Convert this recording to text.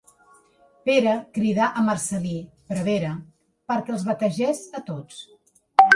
Pere cridà a Marcel·lí, prevere, perquè els bategés a tots.